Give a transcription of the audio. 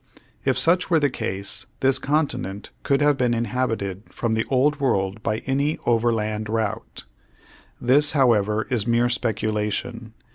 If such were the case this continent could have been inhabited from the old world by an overland route. This, however, is mere speculation.